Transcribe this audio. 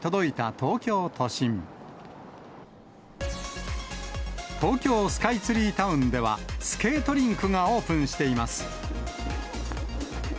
東京スカイツリータウンでは、スケートリンクがオープンしています。